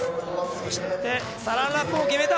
そしてサランラップも決めた！